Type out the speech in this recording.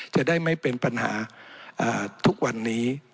จะได้ไม่เป็นปัญหาทุกวันนี้